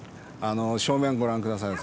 正面ご覧下さい。